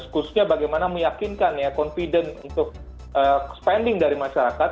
kursusnya bagaimana meyakinkan confident untuk spending dari masyarakat